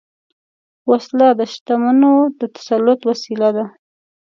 وسله د شتمنو د تسلط وسیله ده